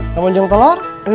kamu jeng telur